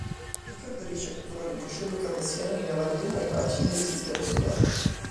Picard riesce a catturare un vascello cardassiano in avaria ai margini del Sistema Solare.